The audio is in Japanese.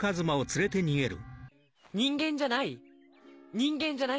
人間じゃない？